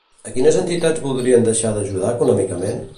A quines entitats voldrien deixar d'ajudar econòmicament?